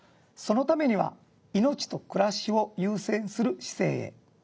そのためには命と暮らしを優先する市政へ。